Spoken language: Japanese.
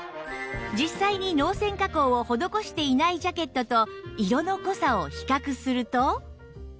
実際に濃染加工を施していないジャケットと色の濃さを比較すると